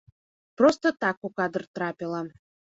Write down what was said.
Проста так у кадр трапіла.